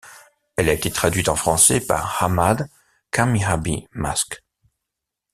Elle a été traduite en français par Ahmad Kamyabi Mask.